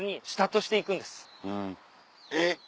えっ？